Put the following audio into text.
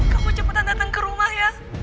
kamu cepetan datang ke rumah ya